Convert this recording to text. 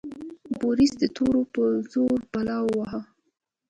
بوریس د تورې په زور بلا وواهه.